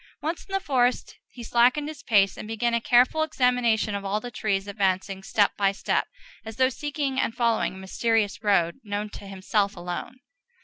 Once in the forest he slackened his pace, and began a careful examination of all the trees, advancing, step by step, as though seeking and following a mysterious road known to himself alone.